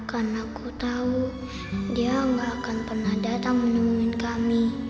karena aku tahu dia gak akan pernah datang menemuin kami